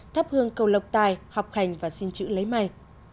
thắp hương cầu lộc tài học hành và xin chữ lấy may